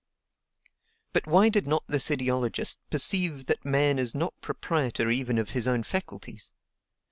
But why did not this ideologist perceive that man is not proprietor even of his own faculties?